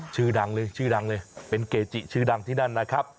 ชื่อดังเลยชื่อดังเลยเป็นเกจิชื่อดังที่นั่นนะครับ